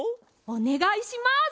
おねがいします！